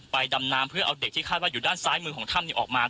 ดำน้ำเพื่อเอาเด็กที่คาดว่าอยู่ด้านซ้ายมือของถ้ำออกมา